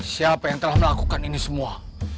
siapa yang telah melakukan ini semua